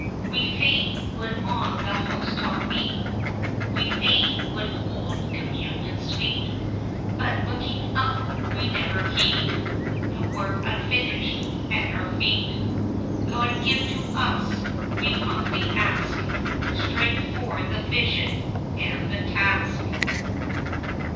We fain would on the housetop be, We fain would hold communion sweet, But looking up, we never heed The work unfinished at our feet. God, give to us, we humbly ask, Strength for the vision and the task.